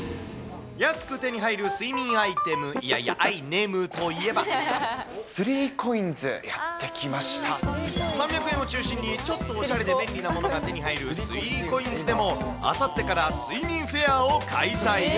安く手に入る睡眠アイテム、いやいや、スリーコインズ、やって来ま３００円を中心に、ちょっとおしゃれで便利なものが手に入るスリーコインズでも、あさってから睡眠フェアを開催。